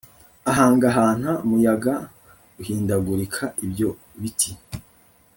Ahangahanta muyaga uhindagurika ibyo biti